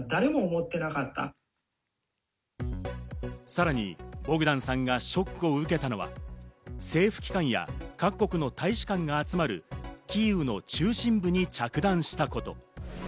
さらにボグダンさんがショックを受けたのは、政府機関や各国の大使館が集まるキーウの中心部に着弾したこと。